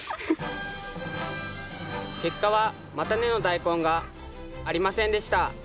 結果は叉根のダイコンがありませんでした。